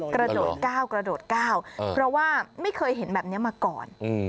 กระโดดก้าวกระโดดก้าวเพราะว่าไม่เคยเห็นแบบนี้มาก่อน